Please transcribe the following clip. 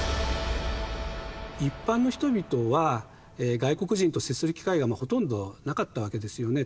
一般の人々は外国人と接する機会がほとんどなかったわけですよね。